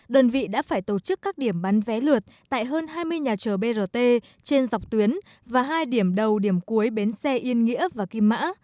đơn vị đã phải tổ chức các điểm bán vé lượt tại hơn hai mươi nhà chờ brt trên dọc tuyến và hai điểm đầu điểm cuối bến xe yên nghĩa và kim mã